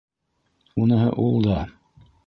— Уныһы ул да.